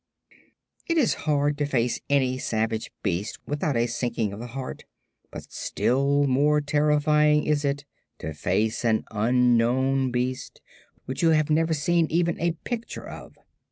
It is hard to face any savage beast without a sinking of the heart, but still more terrifying is it to face an unknown beast, which you have never seen even a picture of.